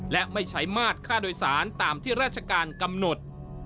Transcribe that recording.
และไม่ใช้มาตรค่าโดยสารตามที่ราชการกำหนด